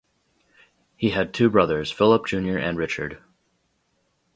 He had two brothers, Philip Junior and Richard.